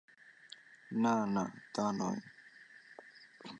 না, না, তা নয়।